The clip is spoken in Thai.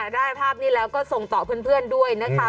ได้ภาพนี้แล้วก็ส่งต่อเพื่อนด้วยนะคะ